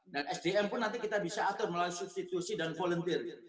dan sdm pun nanti kita bisa atur melalui substitusi dan volunteer